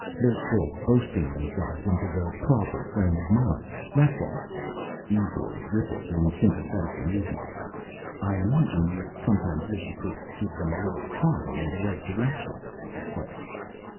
They're still boasting themselves into the proper frame of mind, that's all." Ebor rippled in sympathetic amusement. "I imagine you sometimes wish you could give them a little prodding in the right direction," he said.